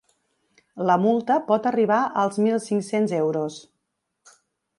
La multa pot arribar als mil cinc-cents euros.